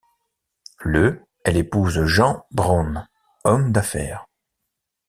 Le elle épouse Jean Braun, homme d'affaires.